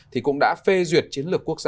thì cũng đã phê duyệt chiến lược